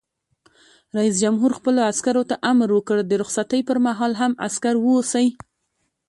رئیس جمهور خپلو عسکرو ته امر وکړ؛ د رخصتۍ پر مهال هم، عسکر اوسئ!